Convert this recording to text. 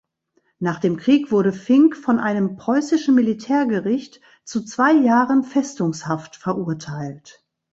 Nach dem Krieg wurde Finck von einem preußischen Militärgericht zu zwei Jahren Festungshaft verurteilt.